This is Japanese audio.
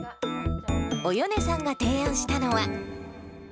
およねさんが提案したのは。